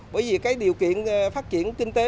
bởi vì điều kiện phát triển kinh tế